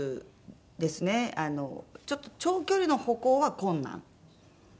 ちょっと長距離の歩行は困難で。